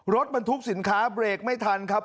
รถบรรทุกสินค้าเบรกไม่ทันครับ